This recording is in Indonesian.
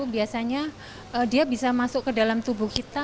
biasanya dia bisa masuk ke dalam tubuh kita